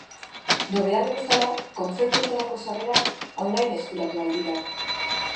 Nobedade bezala, kontzertuetarako sarrerak online eskuratu ahal dira.